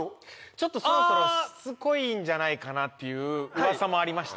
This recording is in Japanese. ちょっとそろそろしつこいんじゃないかなっていううわさもありまして。